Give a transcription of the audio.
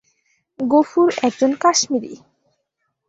গফুর একজন কাশ্মিরী।